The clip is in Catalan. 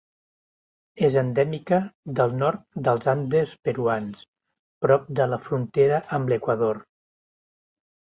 És endèmica del nord dels Andes peruans, prop de la frontera amb l'Equador.